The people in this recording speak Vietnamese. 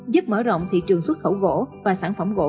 giúp mở rộng thị trường xuất khẩu gỗ và sản phẩm gỗ